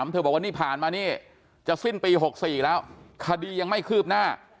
เธอบอกว่านี่ผ่านมานี่จะสิ้นปี๖๔แล้วคดียังไม่คืบหน้า